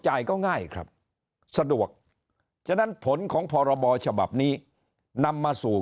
ก็ง่ายครับสะดวกฉะนั้นผลของพรบฉบับนี้นำมาสู่